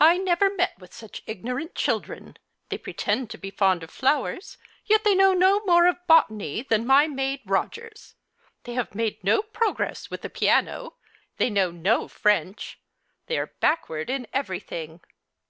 I never met with such ignorant children. They pretend to be fond of flowers, yet they know no more of botany than my maid Rogers. They have made no progress with the piano. They know no French. They are backward in everything."